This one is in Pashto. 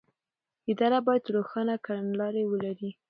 اداره باید روښانه کړنلارې ولري.